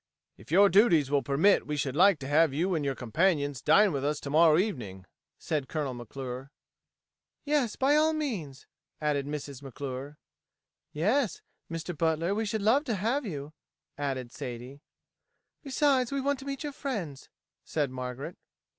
"If your duties will permit we should like to have you and your companions dine with us to morrow evening," said Colonel McClure. "Yes; by all means," added Mrs. McClure. "Yes, Mr. Butler, we should love to have you," added Sadie. "Besides, we want to meet your friends," said Margaret.